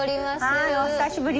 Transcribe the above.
はいお久しぶり。